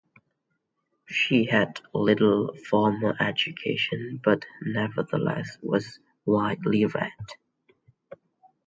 She had little formal education, but nevertheless was widely read.